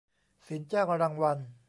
สินจ้างรางวัล